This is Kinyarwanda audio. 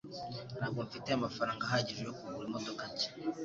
Ntabwo mfite amafaranga ahagije yo kugura imodoka nshya.